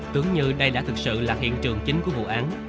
tưởng như đây đã thực sự là hiện trường chính của vụ án